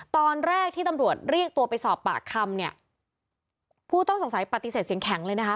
ตอนแรกที่ตำรวจเรียกตัวไปสอบปากคำเนี่ยผู้ต้องสงสัยปฏิเสธเสียงแข็งเลยนะคะ